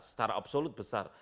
secara absolut besar